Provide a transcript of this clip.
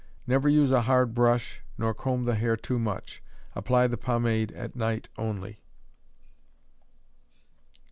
Never use a hard brush, nor comb the hair too much. Apply the pomade at night only.